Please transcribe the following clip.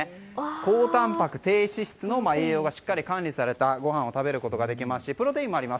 高タンパク低脂質の栄養がしっかり管理されたごはんを食べることができますしプロテインもあります。